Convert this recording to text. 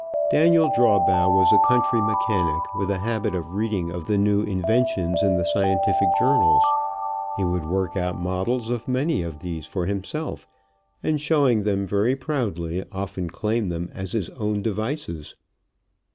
Daniel Drawbaugh was a country mechanic with a habit of reading of the new inventions in the scientific journals. He would work out models of many of these for himself, and, showing them very proudly, often claim them as his own devices.